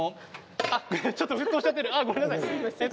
ちょっと沸騰しちゃっている。